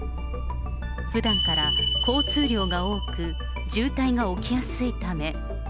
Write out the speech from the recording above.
ふだんから交通量が多く、渋滞が起きやすいため。